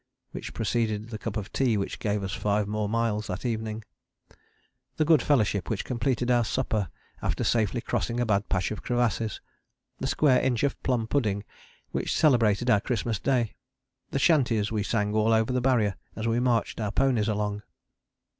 _ which preceded the cup of tea which gave us five more miles that evening; the good fellowship which completed our supper after safely crossing a bad patch of crevasses; the square inch of plum pudding which celebrated our Christmas Day; the chanties we sang all over the Barrier as we marched our ponies along.